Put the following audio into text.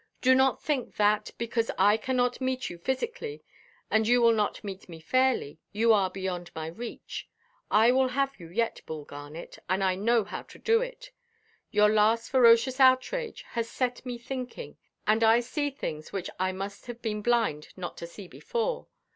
Do not think that, because I cannot meet you physically, and you will not meet me fairly, you are beyond my reach. I will have you yet, Bull Garnet; and I know how to do it. Your last ferocious outrage has set me thinking, and I see things which I must have been blind not to see before.